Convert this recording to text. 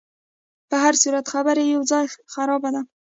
په هرصورت خبره یو ځای خرابه ده.